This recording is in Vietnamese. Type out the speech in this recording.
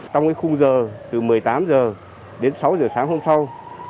trong khung giờ từ một mươi tám h đến sáu h sáng hôm sau